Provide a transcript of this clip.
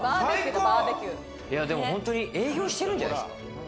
本当に営業してるんじゃないですか？